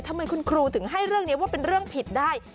ทำไมคุณครูถึงให้เรื่องนี้ว่าเป็นเรื่องผิดได้